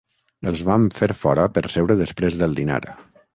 Els vam fer fora per seure després del dinar.